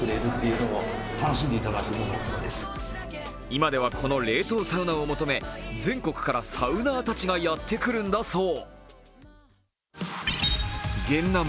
今ではこの冷凍サウナを求め全国からサウナーたちがやってくるんだそう。